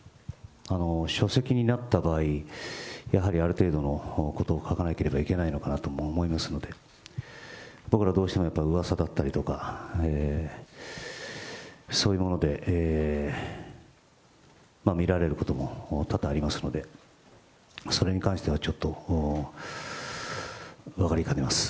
書籍になった場合、やはりある程度のことを書かなければいけないのかなとも思いますので、僕ら、どうしてもやっぱりうわさだったりとか、そういうもので見られることも多々ありますので、それに関してはちょっと分かりかねます。